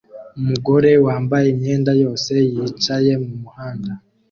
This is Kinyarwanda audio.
Umugore wambaye imyenda yose yicaye mumuhanda